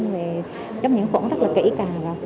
về chống nhiễm khổ rất là kỹ càng rồi